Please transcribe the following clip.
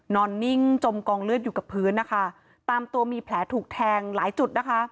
นอนนิ่งจมกองเลือดอยู่กับพื้นตามตัวมีแผลถูกแทงหลายจุด